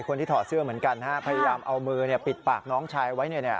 ถอดเสื้อเหมือนกันพยายามเอามือปิดปากน้องชายไว้